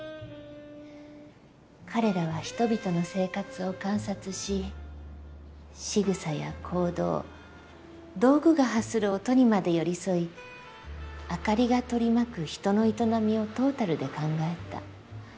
彼らは人々の生活を観察ししぐさや行動道具が発する音にまで寄り添い明かりが取り巻く人の営みをトータルで考えた。